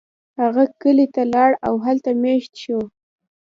هغه کلی ته لاړ او هلته میشت شو.